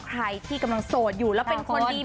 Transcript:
ใครที่กำลังโสดอยู่แล้วเป็นคนดี